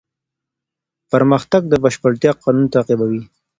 پرمختګ د بشپړتیا قانون تعقیبوي.